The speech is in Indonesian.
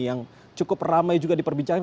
yang cukup ramai juga diperbincangkan